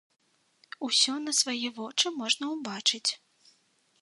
Усё на свае вочы можна ўбачыць.